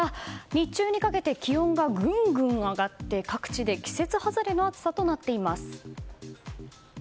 日中にかけて気温がぐんぐん上がって各地で季節外れの暑さとなっています。